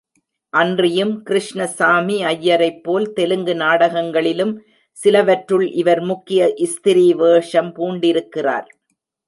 அன்றியும் கிருஷ்ணசாமி ஐயரைப் போல் தெலுங்கு நாடகங்களிலும் சிலவற்றுள் இவர் முக்கிய ஸ்திரீ வேஷம் பூண்டிருக்கிறார்.